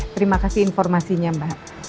terima kasih informasinya mbak